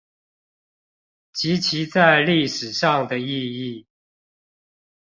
及其在歷史上的意義